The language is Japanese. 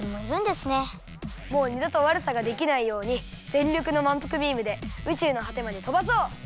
もう２どとわるさができないようにぜんりょくのまんぷくビームで宇宙のはてまでとばそう！